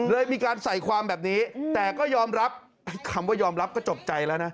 มีการใส่ความแบบนี้แต่ก็ยอมรับคำว่ายอมรับก็จบใจแล้วนะ